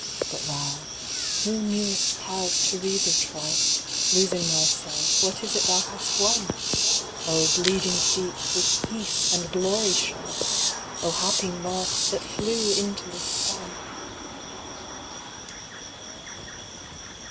But thou, who knewest paths Teresa trod, Losing thyself, what is it thou hast won? O bleeding feet, with peace and glory shod! O happy moth, that flew into the Sun!